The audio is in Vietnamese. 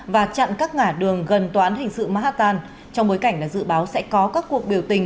và chặn các ngả đường gần tòa án hình sự manhattan trong bối cảnh dự báo sẽ có các cuộc biểu tình